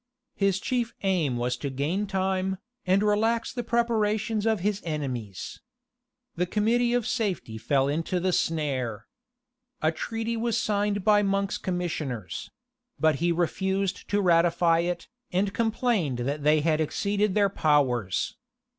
His chief aim was to gain time, and relax the preparations of his enemies. The committee of safety fell into the snare. A treaty was signed by Monk's commissioners; but he refused to ratify it, and complained that they had exceeded their powers.